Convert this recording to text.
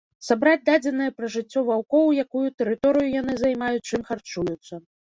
Сабраць дадзеныя пра жыццё ваўкоў, якую тэрыторыю яны займаюць, чым харчуюцца.